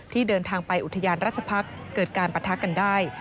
เดินทางไปอุทยานราชพักษ์เกิดการปะทะกันได้